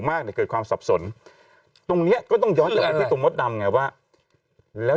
มากในเกิดความสับสนตรงนี้ก็ต้องย้อนตรงรถดำไงว่าแล้ว